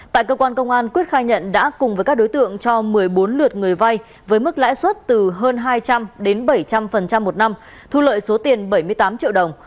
tại cơ quan công an quyết khai nhận đã cùng với các đối tượng cho một mươi bốn lượt người vay với mức lãi suất từ hơn hai trăm linh đến bảy trăm linh một năm thu lợi số tiền bảy mươi tám triệu đồng